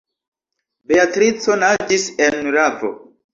Beatrico naĝis en ravo.